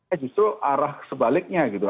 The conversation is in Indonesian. eh justru arah sebaliknya gitu